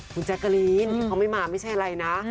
คุณแจ๊กกะลีนที่เขาไม่มาไม่ใช่อะไรนะ